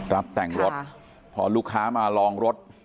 รับแต่งรถพอลูกค้ามาลองรถ